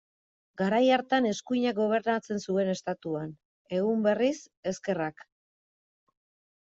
Garai hartan eskuinak gobernatzen zuen Estatuan, egun berriz, ezkerrak.